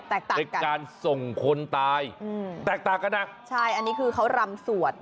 แตกต่างกันเป็นการส่งคนตายอืมแตกต่างกันนะใช่อันนี้คือเขารำสวด